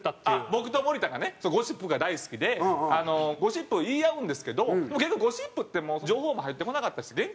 僕と森田がねゴシップが大好きでゴシップを言い合うんですけど結局ゴシップってもう情報も入ってこなかったりして限界があるんですよ。